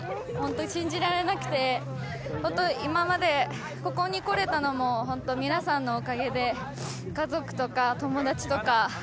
本当に信じられなくて、本当、今までここに来れたのも、本当、皆さんのおかげで、家族とか友達とか。